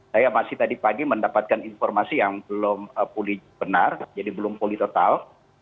saya masih tadi pagi mendapatkan informasi yang belum pulih benar jadi belum pulih total